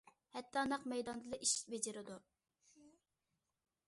ھەتتا نەق مەيداندىلا ئىش بېجىرىدۇ.